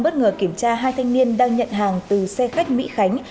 bất ngờ kiểm tra hai thanh niên đang nhận hàng từ xe khách mỹ khánh